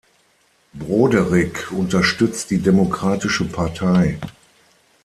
Broderick unterstützt die Demokratische Partei.